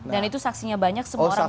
dan itu saksinya banyak semua orang melihat